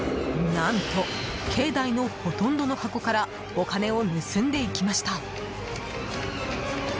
何と、境内のほとんどの箱からお金を盗んでいきました。